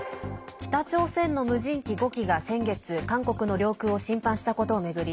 北朝鮮の無人機５機が先月韓国の領空を侵犯したことを巡り